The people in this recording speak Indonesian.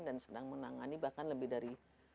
dan sedang menangani bahkan lebih dari